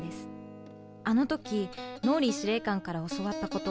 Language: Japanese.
あの時ＲＯＬＬＹ司令官から教わったこと